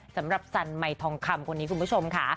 สำหรับสันมัยทองคำคนนี้คุณผู้ชมค่ะ